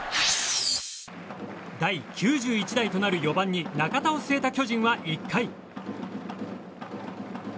第９１代となる４番に中田を据えた巨人は１回。